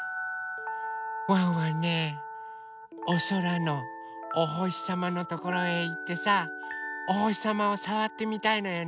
ワンワンねおそらのおほしさまのところへいってさおほしさまをさわってみたいのよね。